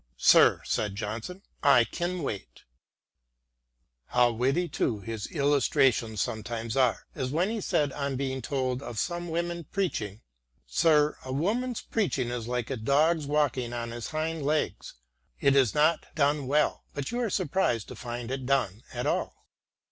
" Sir," said Johnson, " I can wait." • Boswell's " Life of Johnson." SAMUEL JOHNSON 47 How witty, too, his illustrations sometimes are, as when he said on being told of some women preaching :" Sir, a woman's preaching is like a dog's walking on his hind legs. It is not done well, but you are surprised to find it done at all."